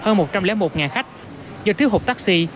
ba trăm linh một ngàn khách do thiếu hụt taxi